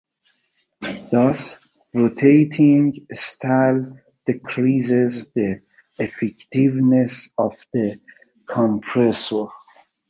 Thus, rotating stall decreases the effectiveness of the compressor.